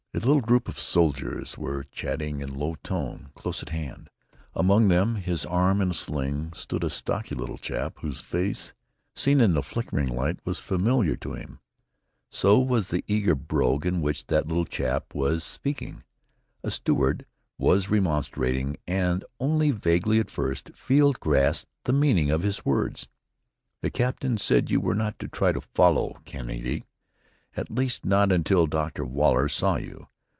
A little group of soldiers were chatting in low tone, close at hand. Among them, his arm in a sling, stood a stocky little chap whose face, seen in the flickering light, was familiar to him. So was the eager brogue in which that little chap was speaking. A steward was remonstrating, and only vaguely at first, Field grasped the meaning of his words: "The captain said you were not to try to follow, Kennedy, at least not until Dr. Waller saw you.